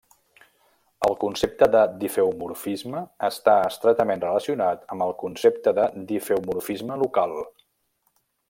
El concepte de difeomorfisme està estretament relacionat amb el concepte de difeomorfisme local.